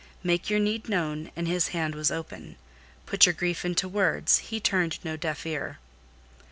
Make your need known, his hand was open. Put your grief into words, he turned no deaf ear.